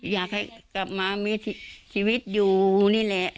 อยากให้กลับมามีชีวิตอยู่นี่แหละ